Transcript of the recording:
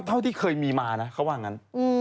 เท่าที่เคยมีมานะเขาว่างั้น